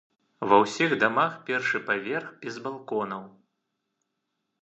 Ва ўсіх дамах першы паверх без балконаў!